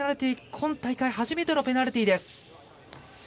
今大会初めてのペナルティーです。